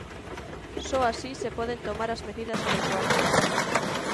Só así se poden tomar as medidas adecuadas.